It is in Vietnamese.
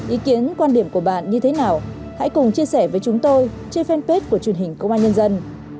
ý kiến quan điểm của bạn như thế nào hãy cùng chia sẻ với chúng tôi trên fanpage của truyền hình công an nhân dân